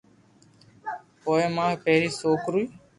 پوءِ مان پهرين سوڪري